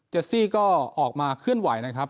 ซี่ก็ออกมาเคลื่อนไหวนะครับ